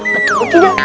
betul atau tidak